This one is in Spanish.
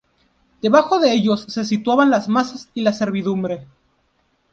Debajo de ellos se situaban las masas y la servidumbre.